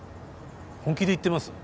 本気で言ってます？